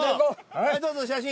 はいどうぞ写真。